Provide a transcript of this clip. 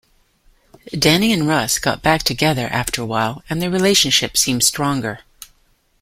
Dannii and Russ got back together after a while and their relationship seemed stronger.